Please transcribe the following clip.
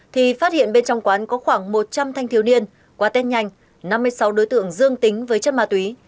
thì phát hiện bên trong quán có khoảng một trăm linh thanh thiếu niên qua tết nhanh năm mươi sáu đối tượng dương tính với chất ma túy